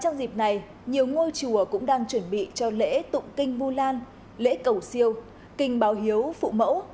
trong dịp này nhiều ngôi chùa cũng đang chuẩn bị cho lễ tụng kinh vu lan lễ cầu siêu kinh báo hiếu phụ mẫu